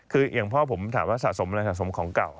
คืออย่างพ่อผมถามว่าสะสมอะไรสะสมของเก่า